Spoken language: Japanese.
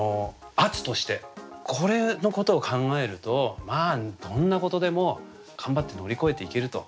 これのことを考えるとどんなことでも頑張って乗り越えていけると。